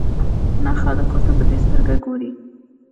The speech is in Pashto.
نه خلک ورته په دې سترګه ګوري.